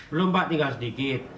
belum pak tinggal sedikit